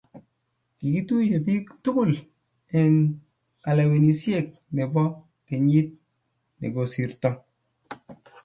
kikituyo biik tugul eng' kalewenisiet nebo kenyit ne kosirto